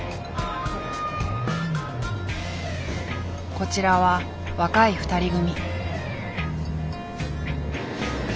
こちらは若い２人組。